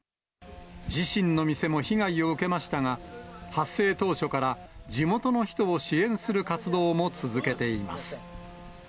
自身の店も被害を受けましたが、発生当初から地元の人を支援する活動も続けています。